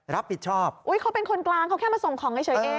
รับผิดชอบเขาเป็นคนกลาง